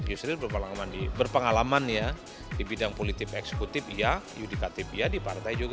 yusril berpengalaman ya di bidang politik eksekutif iya yudikatif ya di partai juga